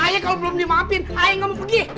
ayah kalo belum dimaafin ayah gak mau pergi